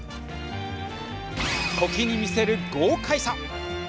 時に見せる豪快さ。